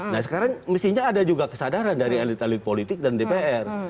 nah sekarang mestinya ada juga kesadaran dari elit elit politik dan dpr